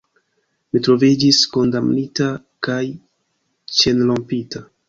Mi troviĝis kondamnita kaj ĉenrompinta.